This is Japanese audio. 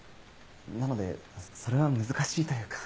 なのでそれは難しいというか。